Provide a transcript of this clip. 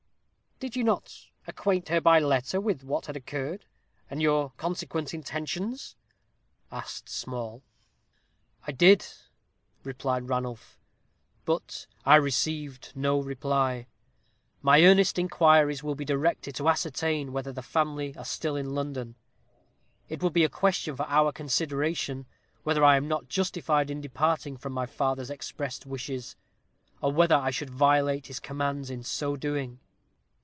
"Did you not acquaint her by letter with what had occurred, and your consequent intentions?" asked Small. "I did," replied Ranulph; "but I received no reply. My earliest inquiries will be directed to ascertain whether the family are still in London. It will be a question for our consideration, whether I am not justified in departing from my father's expressed wishes, or whether I should violate his commands in so doing."